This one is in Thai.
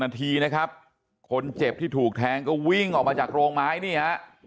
นาทีนะครับคนเจ็บที่ถูกแทงก็วิ่งออกมาจากโรงไม้นี่ฮะ